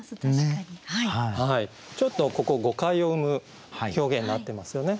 ちょっとここ誤解を生む表現になってますよね。